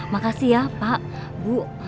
makasih ya pak bu